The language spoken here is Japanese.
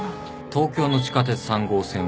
東京の地下鉄３号線は銀座線。